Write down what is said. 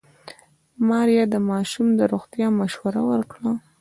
ماريا د ماشوم د روغتيا مشوره ورکړه.